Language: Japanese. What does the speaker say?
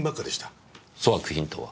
粗悪品とは？